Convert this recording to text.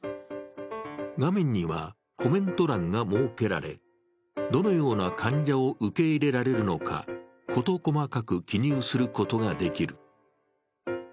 画面にはコメント欄が設けられ、どのような患者を受け入れられるのか、事細かく記入することができる。